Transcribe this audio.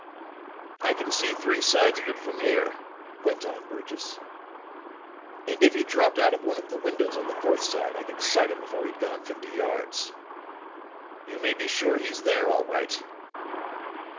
"I can see three sides of it from here," went on Burgess. "And if he dropped out of one of the windows on the fourth side I could sight him before he'd gone fifty yards. You may be sure he's there, all right."